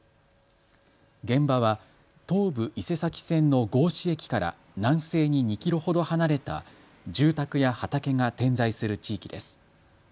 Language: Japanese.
現場は東武伊勢崎線の剛志駅から南西に２キロほど離れた住宅や畑が点在する地域です。